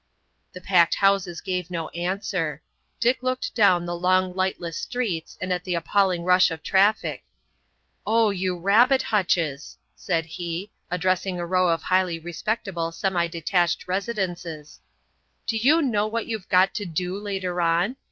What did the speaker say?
The packed houses gave no answer. Dick looked down the long lightless streets and at the appalling rush of traffic. "Oh, you rabbit hutches!" said he, addressing a row of highly respectable semi detached residences. "Do you know what you've got to do later on?